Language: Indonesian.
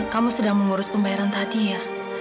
kamu sedang mengurus pembayaran tadi ya